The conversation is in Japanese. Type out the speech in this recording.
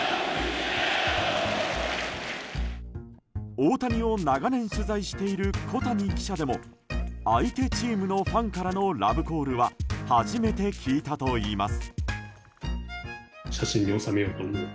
大谷を長年取材している小谷記者でも相手チームのファンからのラブコールは初めて聞いたといいます。